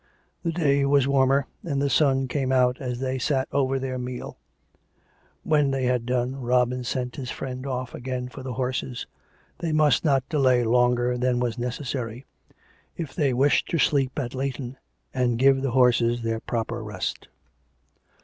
The day was Warmer, and the sun came out as they sat over their meal. When they had done^ Robin sent his friend off again for the 286 COME RACK! COME ROPE! horses. They must not delay longer than was necessary, if they wished to sleep at Leigh ton, and give the horses their proper rest.